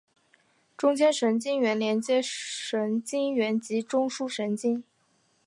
中间神经元连接神经元及中枢神经。